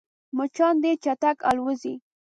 مچان ډېر چټک الوزي